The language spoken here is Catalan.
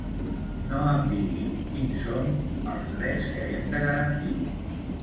No em digui quins són els drets que hem de garantir.